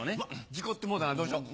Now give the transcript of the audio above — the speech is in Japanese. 事故ってもうたなどうしよう。